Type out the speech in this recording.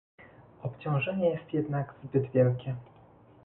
Obciążenie jest jednak zbyt wielkie